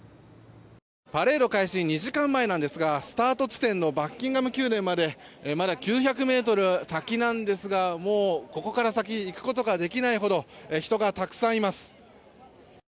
パレード開始２時間前なんですがスタート地点のバッキンガム宮殿までまだ９００ｍ先なんですがもうここから先行くことができないほど人がたくさんいます。